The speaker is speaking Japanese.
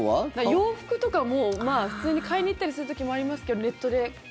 洋服とかも普通に買いに行ったりする時もありますけど